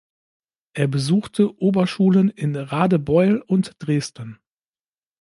Er besuchte Oberschulen in Radebeul und Dresden.